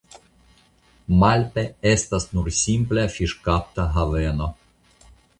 Malpe estas nur simpla fiŝkapta haveno.